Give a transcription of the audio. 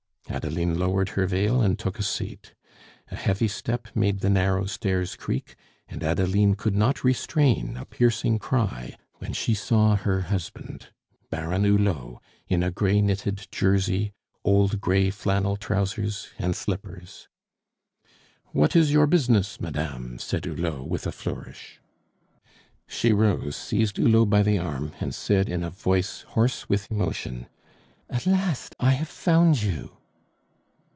Adeline lowered her veil and took a seat. A heavy step made the narrow stairs creak, and Adeline could not restrain a piercing cry when she saw her husband, Baron Hulot, in a gray knitted jersey, old gray flannel trousers, and slippers. "What is your business, madame?" said Hulot, with a flourish. She rose, seized Hulot by the arm, and said in a voice hoarse with emotion: "At last I have found you!"